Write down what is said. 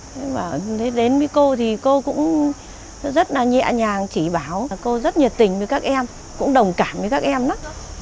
thế bảo đến với cô thì cô cũng rất là nhẹ nhàng chỉ bảo là cô rất nhiệt tình với các em cũng đồng cảm với các em lắm